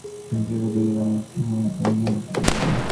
তিনি জৈব যৌগের আলোক সমাণুতা নিয়ে গবেষণা করেন।